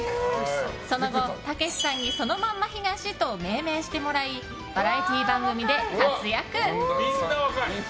その後、たけしさんにそのまんま東と命名してもらいバラエティー番組で活躍。